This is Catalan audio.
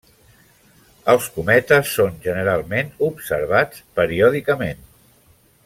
Els cometes són generalment observats periòdicament.